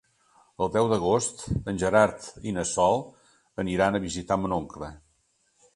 El deu d'agost en Gerard i na Sol aniran a visitar mon oncle.